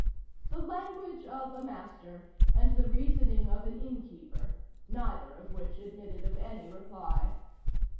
The language of a master, and the reasoning of an innkeeper, neither of which admitted of any reply.